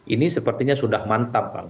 ini sepertinya sudah mantap bang